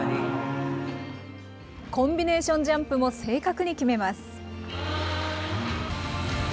コンビネーションジャンプも正確に決めます。